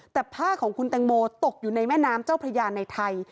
แต่ผ้าของคุณแตงโมตกอยู่ในแม่น้ำเจ้าพระยาในไทย